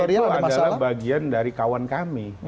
artinya tetap bahwa media itu adalah bagian dari kawan kami